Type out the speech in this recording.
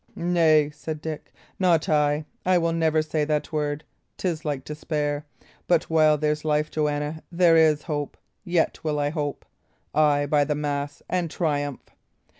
"Nay," said Dick, "not I; I will never say that word. 'Tis like despair; but while there's life, Joanna, there is hope. Yet will I hope. Ay, by the mass, and triumph!